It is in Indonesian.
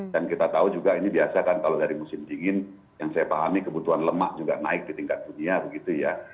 dan kita tahu juga ini biasa kan kalau dari musim dingin yang saya pahami kebutuhan lemak juga naik di tingkat dunia begitu ya